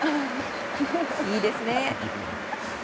いいですね。